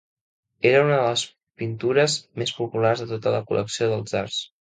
Era una de les pintures més populars de tota la col·lecció dels tsars.